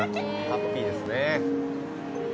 ハッピーですね。